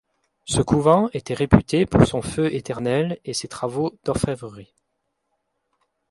Ce couvent était réputé pour son feu éternel et ses travaux d'orfèvrerie.